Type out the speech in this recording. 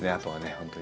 本当にね。